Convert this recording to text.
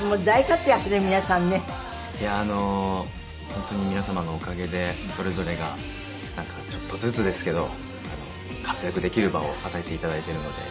本当に皆様のおかげでそれぞれがちょっとずつですけど活躍できる場を与えていただいているので。